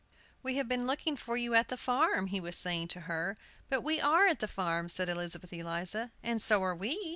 "We have been looking for you at the farm," he was saying to her. "But we are at the farm," said Elizabeth Eliza. "And so are we!"